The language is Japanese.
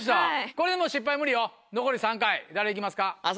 これでもう失敗無理よ残り３回誰いきますか？